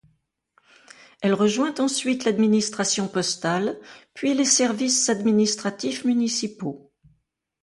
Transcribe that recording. Elle rejoint ensuite l'administration postale, puis les services administratifs municipaux.